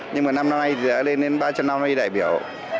nhưng mà năm nay thì đã lên đến ba trăm năm mươi đại biểu